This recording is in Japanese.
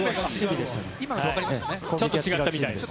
ちょっと違ったみたいです。